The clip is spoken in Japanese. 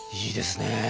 いいですね！